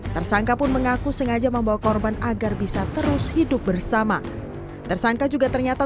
tersangka pun mengaku sengaja membawa korban agar bisa terus hidup bersama tersangka juga ternyata